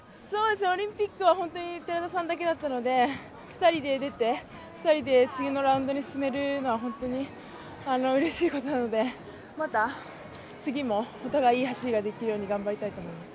オリンピックは寺田さんだけだったので、２人で出て、２人で次のラウンドに進めるのは本当にうれしいことなので、また次もお互いいい走りができるように頑張りたいと思います。